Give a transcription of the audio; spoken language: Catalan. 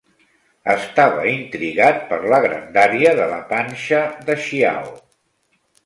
Estava intrigat per la grandària de la panxa de Xiao.